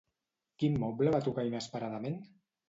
Quin moble va tocar inesperadament?